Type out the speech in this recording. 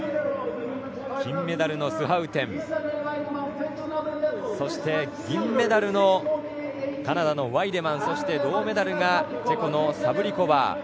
金メダルのスハウテンそして銀メダルのカナダのワイデマンそして銅メダルがチェコのサブリコバー。